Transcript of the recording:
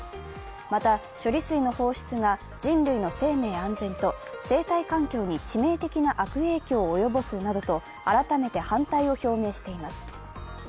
また処理水の放出が人類の生命安全と生態環境に致命的な悪影響を及ぼすなどと改めて反対を表明しています。